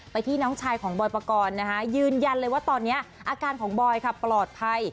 ที่น้องชายของบอยปกรณ์นะคะยืนยันเลยว่าตอนนี้อาการของบอยค่ะปลอดภัย